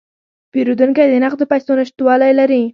پیرودونکی د نغدو پیسو نشتوالی لري.